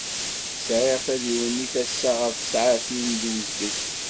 Sεiɣ tadiwennit assa ɣef ssaεtin d uzgen.